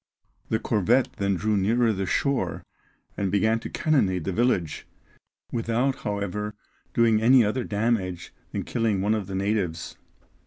The corvette then drew nearer to the shore, and began to cannonade the village, without, however, doing any other damage than killing one of the natives.